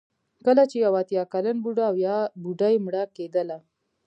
کله چې یو اتیا کلن بوډا او یا بوډۍ مړه کېدله.